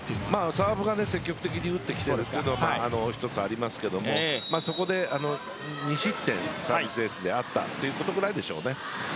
サーブを積極的に打ってきているのは一つあるんですがそこで２失点サービスエースであったということぐらいでしょうね。